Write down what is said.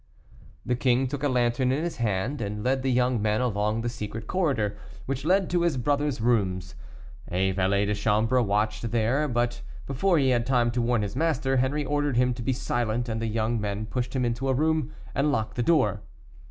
The king took a lantern in his hand, and led the young men along the secret corridor, which led to his brother's rooms. A valet de chambre watched here; but before he had time to warn his master, Henri ordered him to be silent, and the young men pushed him into a room and locked the door.